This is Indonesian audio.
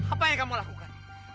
apa yang kamu lakukan